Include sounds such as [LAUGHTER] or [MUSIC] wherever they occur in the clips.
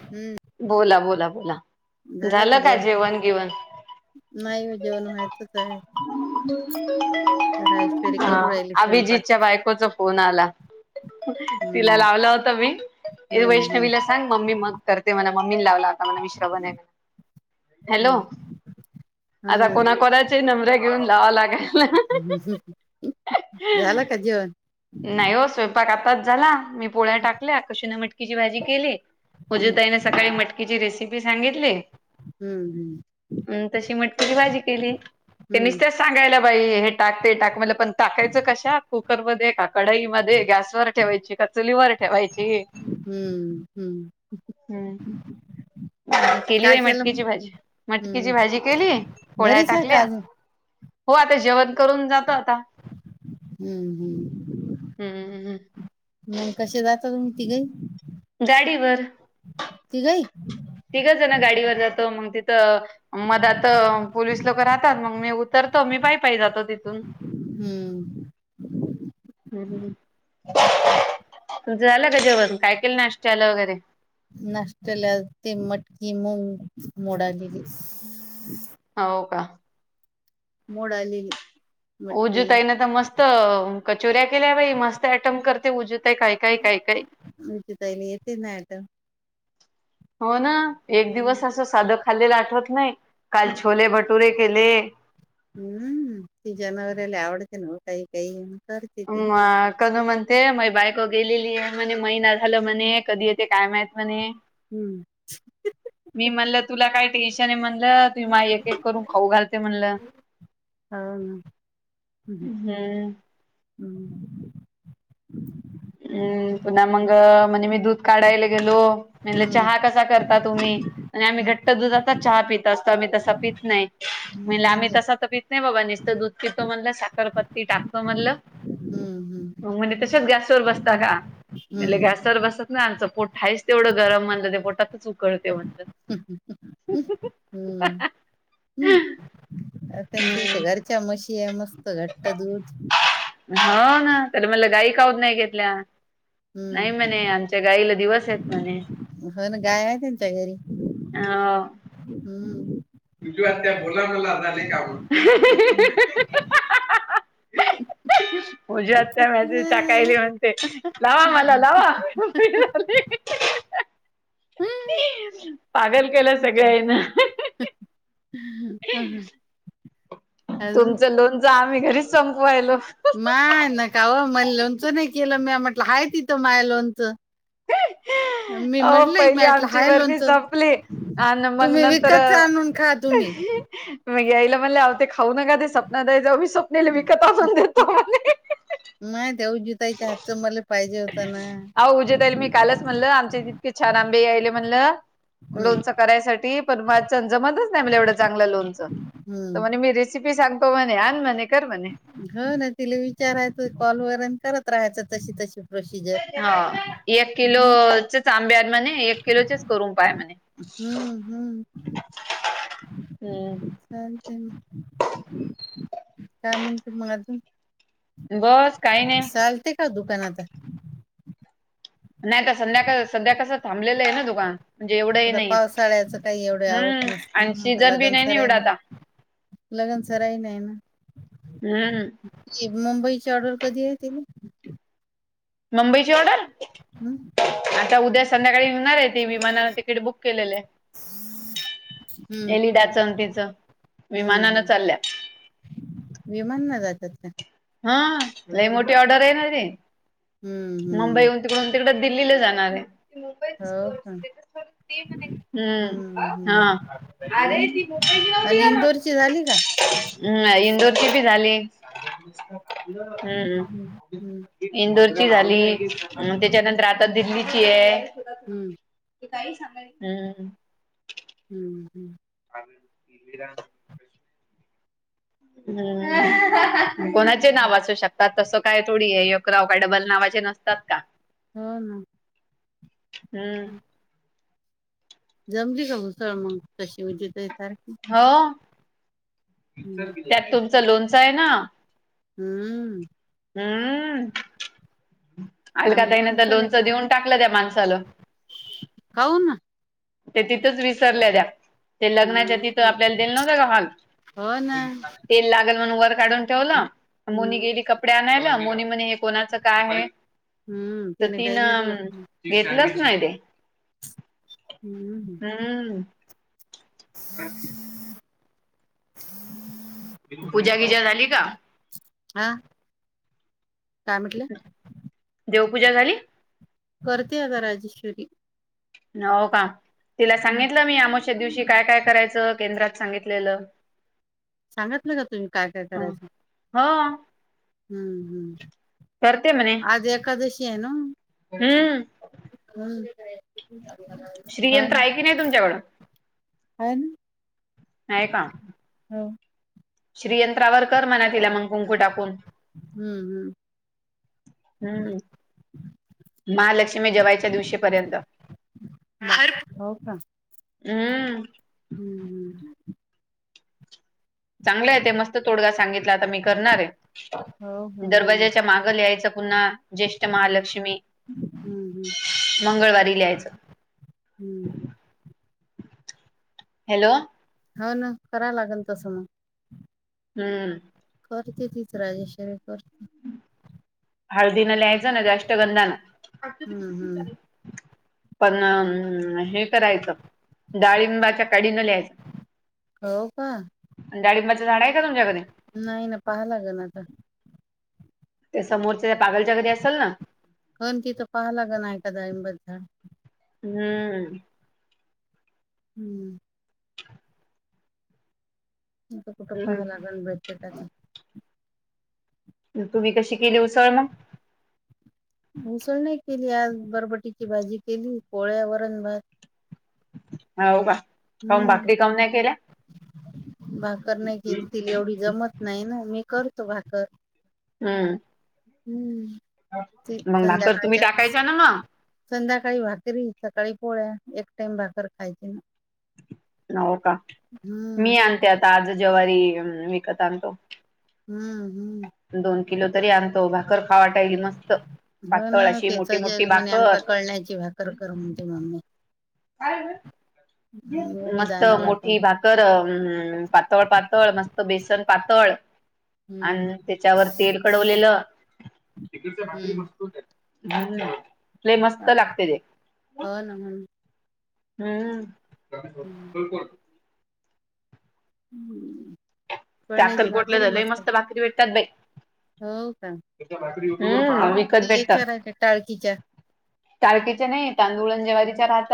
हम्म. बोला बोला बोला झालं का जेवण बिवण? नाही हो जेवण व्हायचंच आहे. [INAUDIBLE] जरा ऐश्वरी करू आ राहिली स्वयंपाक अभिजीतच्या बायकोचा फोन आला. तिला हम्म लावला होता मी हम्म हम्म वैष्णवीला सांग मम्मी मग करते म्हणा मम्मीने लावला. हॅलो हम्म हा आता कोणा कोणाचा नंबरे घेऊन लावा लागल. झाला का जेवण? नाही हो स्वयंपाक आताच झाला मी पोळ्या टाकल्या कुशी ने मटकीची भाजी केली. उजु हम्म ताईने सकाळी मटकीची रेसिपी सांगितली. हम्म उम् तशी मटकीची भाजी केली ती हम्म निस्तस सांगायला बाई हे टाक ते टाक मला पण टाकायच कशा कुकर मध्ये टाक. कडाई मध्ये गॅसवर ठेवायची का चुलीवर ठेवायची? हम्म हम्म. हम्म केली काय बाई केलं मटकीची मग? भाजी हम्म मटकीची भाजी केली पोळ्या घरीच आहे का टाकल्या अजून हो आता जेवण करून जातो आता हम्म हम्म. मंग कशे जाता तुम्ही तिघही? गाडीवर तिघही तिघं जणं गाडीवर जातो मग तिथं मदा आता पोलीस लोकं राहतात मग मी उतरतो मी पायपाई जातो तिथून. हम्म. हम्म हम्म. [INAUDIBLE] झालं का जेवण काय केलं नाश्त्याला वगैरे? नाष्टल्या ते मटकी मंग मोडालेली. हाव का? मोड आलेली. उजू मटकी ताई ने तर मस्त तम कचोऱ्या केल्या बाई मस्त आयटम करते उजू ताई काय काय काय काय. नीती ताईला येते नाही तर हो ना एक दिवस असं सादं खाल्लेलं आठवत नाही काल छोले भटुरे केले. हम्म ती जनावरेला आवडते ना हो काही काही म कर म कध म्हणते माय बाईक क गेलेली आहे म्हणे महिना झाला म्हणे कधी येते काय माहित म्हणे. हम्म. मी म्हणल तुला काय टेन्शन आहे म्हणलं? तुम्ही माय एक एक करून खाऊ घालते म्हणलं. हो ना हम्म. हम्म. हम्म पुन्हा मंग म्हणजे मी दूध काढायला गेलो म्हणलं चहा हम्म कसा कर ता तुम्ही आणि आम्ही घट्ट दुधाचा चहा पीत असतो आम्ही तसा पीत नाही. हम्म म्हणलं आम्ही त्यांचे तसा तर पित नाही बाबा निसतं दूध पितो म्हणलं साखरपत्ती टाकतो म्हणलं. हम्म हम्म. मग म्हणजे तशेच गॅसवर बसता का म्हणले हम्म गॅसवर बसत नाय आमचं पोट आहेच तेवढं गरम म्हणलं ते पोटातच उकळते म्हणलं. हा हा हा अ त्यांची त घरच्या म्हशी आहे मस्त घट्ट दूध हो ना त्याला म्हणलं गाय काऊत नाही घेतल्या. नाही हम्म म्हणे आमच्या गाईला दिवस आहेत म्हणे. हो ना गाय आहे त्यांच्या घरी. आवं हम्म. तुज्यू आत्या बोला मला झाले कामं. पूजा आत्या मॅसेज अं, टाकायले म्हणते. लावा मला लावा. पागल केलं सगळ्यांना. अह, अजून तुमचं लोनचं आम्ही घरीच संपवायलो. हा नका हो मला लोनचं नाही केलं मी म्हटलं आहे तिथं माय लोनचं. अहो मी पहिली म्हटलं आमची हाय बरणी लोणचं संपली. आणि मग तुम्ही नंतर विकतच आणून खा तुम्ही मग याईला म्हणले आव ते खाऊ नका ते स्वप्ना ताईचा स्वपनेला वीकत असून देतो आम्ही. माय तेवजि ताईच्या हातचं मला पाहिजे होतं ना. अहो उज्या ताई मी कालच म्हणलं आमचे इतके छान आंबे आले म्हणलं. हम्म लोनचा करायसाठी पण माचान जमतच नाही म्हणजे एवढं चांगलं लोनचां तर हम्म म्हणे मिरी रसिपी सांगते आन म्हणे कर म्हणे. हो ना तिला विचारायचं कॉल वरन करत राहायचं तशी तशी प्रोसिजर हा एक हम्म किलोचच आंबे आहे म्हणे एक केलोचस करून पाह्या म्हणे हम्म हम्म चालते म काय म्हणते मग अजून? बस काही नाही. चालते का दुकान आता? नाही तर संध्याकाळ संध्या कसं थांबलेलं आहे ना दुकान म्हणजे एवढंही आता नाही. पावसाळ्याच काही एवढे आवक हम्म आणि नसतं ना आता सीझन बी लग्न नाही सराय एवढा आता ना. लगन सराही नाही ना. हम्म. मुंबईची ऑर्डर कधी येतील? मुंबईची ऑर्डर हम्म आता उद्या संध्याकाळी येणार आहे ती विमानानें तिकीट बुक केलेलं आहे. हम्म एलिडाचान तिचं हम्म विमानानं हम्म चालल्या. विमान नं जातात काय? हा लई मोठी ऑर्डर आहे न रे हम्म हम्म मुंबई तिकडून तिकडं दिल्लीला जाणार आहे. हो का. हम्म हम्म हा. हम्म नाय आणि इंदोरची झाली का इंदोरची बी झाली. हम्म. हम्म हम्म इंदोरची झाली त्याच्यानंतर आता दिल्लीची आहे. हम्म. ते काही सांगाल हम्म. हम्म हम्म. [UNINTELLIGIBLE] हम्म कोणाचे नावं अशू शकतात तसं काय थोडी आहे एकराव काय डबल नावाचे नसतात का. हो ना. हम्म. जमली का घुसळ मग तशी उजा ताई सारखी? होव हम्म त्यात तुमचं लोणचं आहे ना. हम्म. हम्म अलका आम्ही ताईना त्या लोणच लोणचं देऊन टाकलं त्या माणसालं. काऊ ना ते तिथंच विसरल्या द्या. ते लग्नाच्या तिथं हम्म आपल्याला दिलं नव्हतं का हॉल हो ना तेल लागल म्हणून वर काढून ठेवलं आन मोनी हम्म गेली कप कपडे आणायला मोनी म्हणे हे कोणाचं काय आहे हम्म तर तिने काय घेतलं तिनं घेतलंच नाही ते. हम्म. हम्म. पूजा वीजा झाली का? हा काय म्हटलं? देवपूजा झाली? करते अगं राजेश्वरी. नाहो का तिला हम्म सांगितलं मी अमावश्या दिवशी काय काय करायचं केंद्रात सांगितलेलं. सांगितलं का तुम्ही काय काय करायचं हो हम्म हम्म. करते म्हणे आज एकादशी आहे ना. हम्म. हम्म हो श्रीयंत्र ना. आहे की नाही तुमच्याकडं अन आहे का? हो. श्रीयंत्रावर कर म्हणा तिला मंग कुंकू टाकून. हम्म हम्म. हम्म महालक्ष्मी जेवायच्या दिवशीपर्यंत. हो का हम्म हम्म. चांगलंय ते मस्त तोडगा सांगित टला आता मी करणार हो हो आहे हम्म दरवाज्याच्या मागं लिहायच पुन्हा ज्येष्ठ हम्म महालक्ष्मी हम्म मंगळवारी लिहायचं. हम्म. हॅलो हा ना करा लागल तसं मग. हम्म. करते तीच राजेश्वरी करते. हळदीना लीहायचं ना अष्टगंधा ना. हम्म हम्म. पण हे करायचं डाळिंबाच्या काडी न लिहायचं. हो का आणि डाळिंबाचं झाड आहे का तुमच्याकडे? नाही ना पहा लागन आता त्या समोरच त्या पागलच्या घरी असेल ना जाऊन तिथं पाहाल लागेल आहे का नाही दाईंब बद्दल हम्म. हम्म. इथं कुठं पाहाय हम्म लागल भेटते का काय? तुम्ही कशी केली उसळ मग मिसळ नाही केली आज बरबटीची भाजी केली पोळ्या वरण भात हाव का काऊन हम्म भाकरी काऊन नाही केल्या भाकर नाही केि तिल एवढी जमत नाही ना मी करतो भाकर हम्म हम्म ते मंग भाकर तुम्ही संध्याकाळच्या टाकायच्या ना म संध्याकाळी भाकरी सकाळी पोळ्या एक टाइम भाकर खायची नवोका हम्म मी आणते आता आज जवारी विकत आणतो हम्म, हम्म दोन किलो तरी आणतो भाकर खावाटा येल मस्त पातळ अशी मोठी, मोठी भाकर फुलांची बाग कर, कर म्हणते मम्मी उभी मस्त दानाला पण मोठी भाक कर पातळ, पातळ मस्त बेसन पातळ हम्म. आणि त्याच्यावर तेल कडवलेलं हम्म. हम्म ते मस्त लागते ते हो ना म्हण हम्म हम्म त्या कळण्याची भाकर अक्कलकोटलं‌ आहे झालं मस्त भाकरी भेटतात बाई हो का हम्म विकत ते भेटतात याच्या राहते टाळकीच्या काळकीच्या नाही तांदुळं जवारीच्या राहत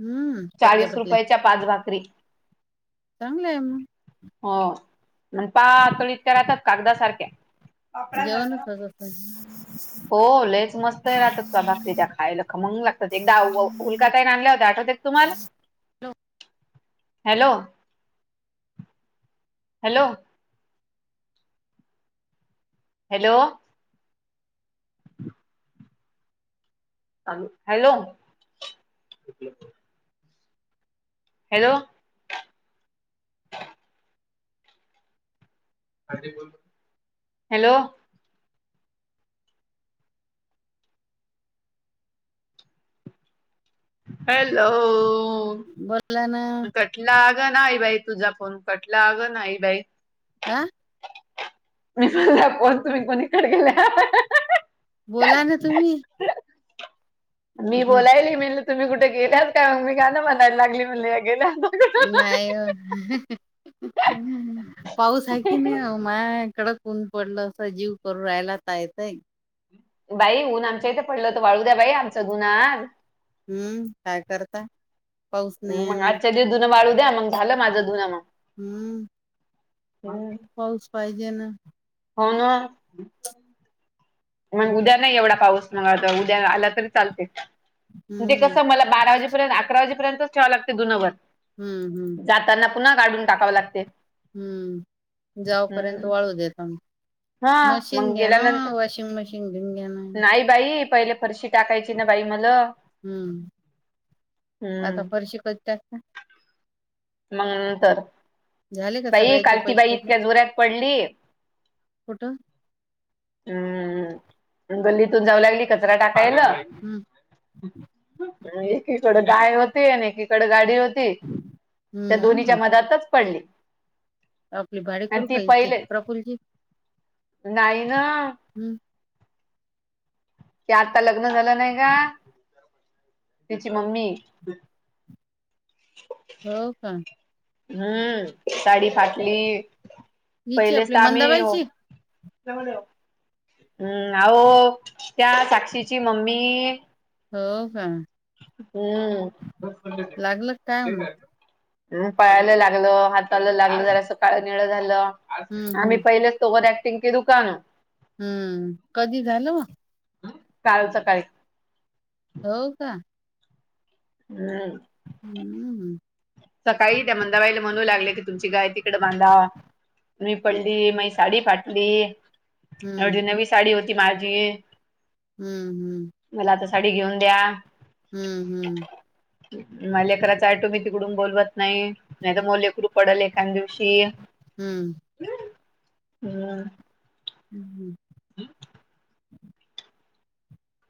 हम्म पतल्या चाळीस पतल्या रुपयाच्या पाच भाकरी चांगलंय मग हो आणि पातळ इतक्या राहतात कागदासारख्या जेवणच असं हो लेच मस्त राहतात त बारी त्या खायला खमंग लागतात एकदा उलका ताई आणल्या होत्या आठवते तुम्हाला hello hello hello hello hello hello hello hello बोला ना लागण नाही बाई तुझा फोन कटला लागण नाही बाई आ कोण तुम्ही कोणी कुणीकडे गेला बोला ना तुम्ही मी हं, बोलायली म्हणले तुम्ही कुठे गेल्यात काय मग मी गान म्हनायला लागली म्हणले गेल्यात नाही ओ पाऊस आहे की नाही ओ माय कडक ऊन पडलं असं जीव करू राहायला ताय, ताय बाई ऊन आमच्या इथे पडलं होतं वाळू द्या बाई आमच उन्हात हम्म काय करता पाऊस नाही आहे मग ना आजच्या दिव दुधुनं वाळू द्या मग झालं माझं धुण हम्म मग पाऊस पाहिजे ना हो ना मग उद्या नाही एवढा पाऊस मग आता उद्या आला तरी चालतील ते हम्म कसं मला बारा वाजेपर्यंत अकरा वाजेपर्यंतच ठेवां लागते धुनवर हम्म हम्म जाताना पुन्हा काढून टाकावं लागते. हम्म जावपर्यंत हम्म. वाळू देत [UNINTELLIGIBLE] हा मशीन मग घ्या ना गेल्यानंतर वॉशिंग मशीन घेऊन घ्या ना नाही बाई पहिले फरशी टाकायची ना बाई मल हम्म आता फरशी कधी टाक मग नंतर झाले का बाई सगळ्याचे काल ती पैसे बाई भेटले इतक्या जोऱ्यात पडली. कुठं? हम्म गल्लीतून जाऊ लागली कचरा टाकायला. हम्म एकीकड गाय होती आणि एकीकडे गाडी होती. त्या दोन्हीच्या हम्म मधातच पडली. आपली आणि भाडेकरू ती का इच्छे पहिले प्रफुलजी नाही ना हम्म त्या आत्ता लग्न झालं नाही का तिची मम्मी हो का? हम्म साडी फाटली हिची पहिलेच आपली तर आम्ही येऊ मंदाबाईची जवळ येव हम्म अहो त्या साक्षीची मम्मी, हो का? हम्.... लागलं काय मग पायाला लागलं हाताला लागलं जरासं काळं निळ झालं हम्म आम्ही हम्म पहिलंच. [UNINTELLIGIBLE] हम्म कधी झालं कालच सकाळी हो का? नाही हम्मम् सकाळी त्या मंदाबाईला म्हणू लागले की तुमची गाय तिकड बांधा मी हम्म पडली म्हैस साडी फाटली येवढी हम्म नवी साडी होती माझी. हम्म मला आता साडी घेऊन द्या. हम्म हम्म म लेकरायच आटो मी तिकडून बोलवत नाही नाही तर मग लेकरू पडेल एखान दिवशी हम्म हम्म हम् हम ह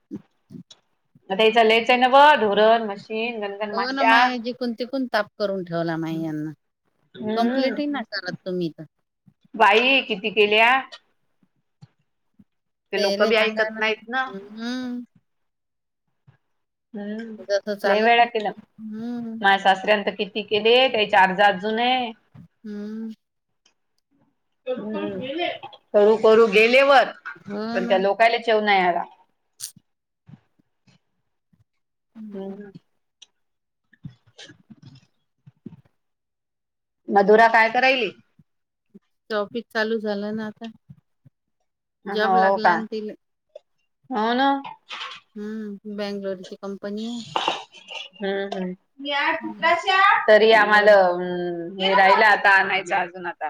ह मता चा लयचं ना ब धोरण मशीन ग हो ना माय जिकून तिकून ताप करून ठेवला मा यांना हम्म कमप्ललीटही ना सांगा तुम्ही तर बाई! किती केल्या? ते लोक तेले बी सांगा ऐकत ना नाहीत जसं हम्म लई चालत वेळा नाही केलं हम्म मा सासऱ्यांच किती केले त्याची अर्जा अजून आहे हम्म करू करू गेलेवर हो पण ना त्या लोक काय चौव नाही आला हम्म. ह मधुरा काय करायली? त ऑफिस चालू झालं ना आता. आ जॉब हाव लागला का आणि तिला हा ना. हम्म बेंगलोरची कंपनी आहे. हम्म हम्म तरी आम्हाला बरोबर अम ने राहिला आता आणायचं अजून आता.